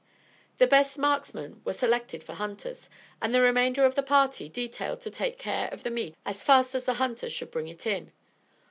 The best marksmen were selected for hunters, and the remainder of the party detailed to take care of the meat as fast as the hunters should bring it in.